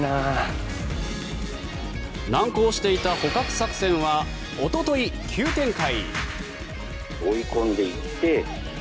難航していた捕獲作戦はおととい、急展開。